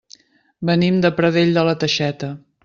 Venim de Pradell de la Teixeta.